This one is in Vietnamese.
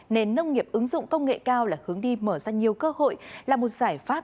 nền nông nghiệp ứng dụng công nghệ cao là hướng đi mở ra nhiều cơ hội là một giải pháp